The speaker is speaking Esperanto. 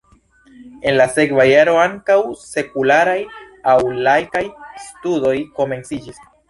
En la sekva jaro ankaŭ sekularaj aŭ laikaj studoj komenciĝis.